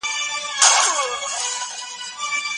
که کتابونه سانسور سي نو خلګ به يې له لوستلو ډډه وکړي.